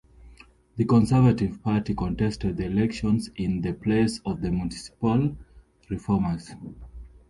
The Conservative Party contested the elections in the place of the Municipal Reformers.